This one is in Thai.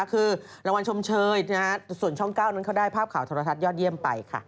คือรางวัลชมเชยส่วนช่อง๙นั้นเขาได้ภาพข่าวโทรทัศยอดเยี่ยมไปค่ะ